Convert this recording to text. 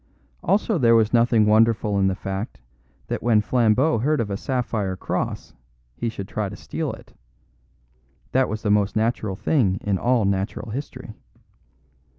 Also there was nothing wonderful in the fact that when Flambeau heard of a sapphire cross he should try to steal it; that was the most natural thing in all natural history.